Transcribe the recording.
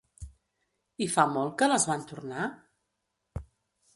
I fa molt, que les van tornar?